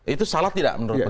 itu salah tidak menurut anda